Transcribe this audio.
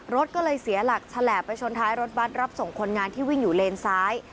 รถก็เลยเสียหลักแฉลบไปชนท้ายรถบัตรรับส่งคนงานที่วิ่งอยู่เลนซ้าย